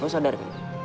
lo sadar gak